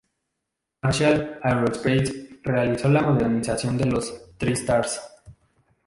Marshall Aerospace realizó la modernización de los TriStar.